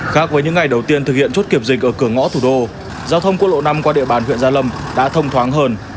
khác với những ngày đầu tiên thực hiện chốt kiểm dịch ở cửa ngõ thủ đô giao thông quốc lộ năm qua địa bàn huyện gia lâm đã thông thoáng hơn